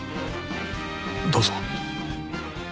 どうぞ。